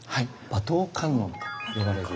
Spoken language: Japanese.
馬頭観音と呼ばれる。